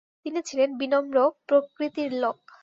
তিনি ছিলেন বিনম্র প্রকৃতির লোক।